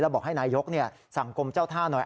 บอกให้นายกสั่งกรมเจ้าท่าหน่อย